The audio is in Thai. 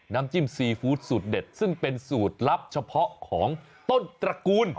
น้ำจิ้มซีฟู้ดสูตรเด็ดซึ่งเป็นสูตรลับเฉพาะของต้นตระกูล